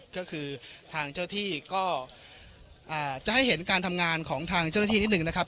ก็คือทางเจ้าที่ก็จะให้เห็นการทำงานของทางเจ้าหน้าที่นิดหนึ่งนะครับ